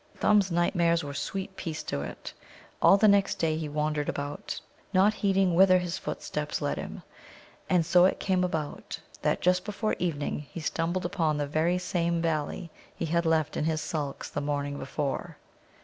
Thumb's nightmares were sweet peace to it. All the next day he wandered about, not heeding whither his footsteps led him. And so it came about that just before evening he stumbled upon the very same valley he had left in his sulks the morning before.